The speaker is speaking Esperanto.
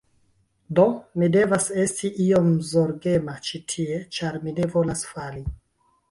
Do, mi devas esti iom zorgema ĉi tie ĉar mi ne volas fali